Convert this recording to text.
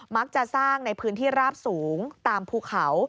มักจะสร้างในพื้นที่ราบสูงตามภูเขา